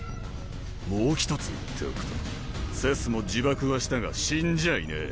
もう１つ言っておくとセスも自爆はしたが死んじゃいねえ。